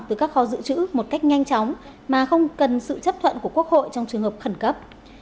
từ các kho dự trữ một cách nhanh chóng mà không cần sự chấp thuận của quốc hội trong trường hợp khẩn cấp